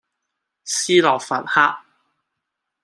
斯洛伐克